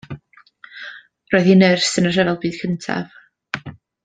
Roedd hi'n nyrs yn y Rhyfel Byd Cyntaf.